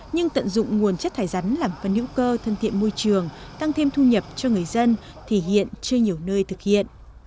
nhưng tận dụng nguồn chất thải rắn làm phân hữu cơ thân thiện môi trường tăng thêm thu nhập cho người dân thì hiện chưa nhiều nơi thực hiện